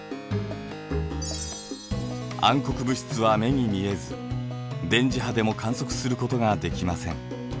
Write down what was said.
暗黒物質は目に見えず電磁波でも観測することができません。